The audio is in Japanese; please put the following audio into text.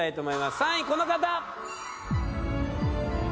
３位この方！